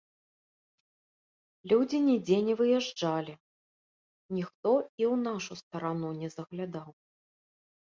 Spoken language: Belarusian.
Людзі нідзе не выязджалі, ніхто і ў нашу старану не заглядаў.